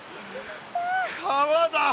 川だ！